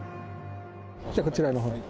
じゃあこちらの方に。